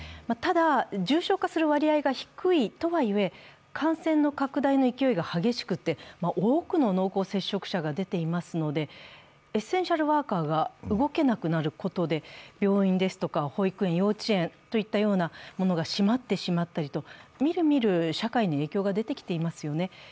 ただ、重症化する割合が低いとはいえ、感染の拡大の勢いが激しくて、多くの濃厚接触者が出ていますので、エッセンシャルワーカーが動けなくなることで病院や保育園、幼稚園などが閉まってしまったりと、みるみる社会に影響が出てきていますよね。